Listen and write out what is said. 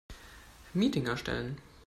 Meeting erstellen.